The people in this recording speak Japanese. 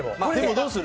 どうする？